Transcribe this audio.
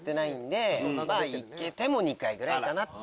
いけても２回ぐらいかなって。